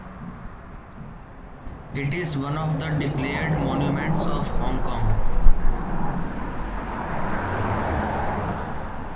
It is one of the declared monuments of Hong Kong.